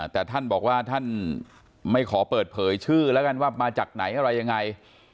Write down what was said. แต่ท่านบอกว่าท่านไม่ขอเปิดเผยชื่อแล้วกันว่ามาจากไหนอะไรยังไง